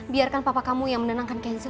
biarkan papa kamu yang menenangkan kenzo